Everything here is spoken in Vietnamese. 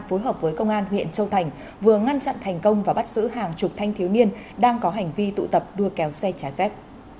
phối hợp với công an huyện châu thành vừa ngăn chặn thành công và bắt giữ hàng chục thanh thiếu niên đang có hành vi tụ tập đua kéo xe trái phép